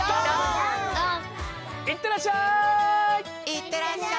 いってらっしゃい！